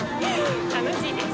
楽しいです。